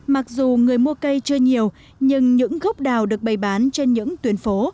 mặc dù người mua cây chưa nhiều nhưng những gốc đào được bày bán trên những tuyến phố